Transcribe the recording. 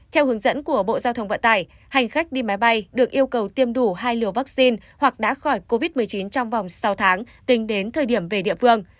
theo hướng dẫn của bộ giao thông vận tải hành khách đi máy bay được yêu cầu tiêm đủ hai liều vaccine hoặc đã khỏi covid một mươi chín trong vòng sáu tháng tính đến thời điểm về địa phương